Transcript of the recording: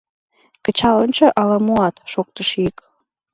— Кычал ончо, ала муат, — шоктыш йӱк.